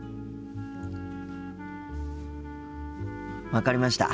分かりました。